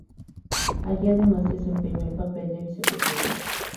Allí, además, desempeñó el papel de vicepresidente.